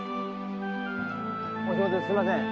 お仕事中すいません。